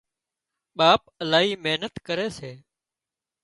ٻاپ الاهي محنت ڪري سي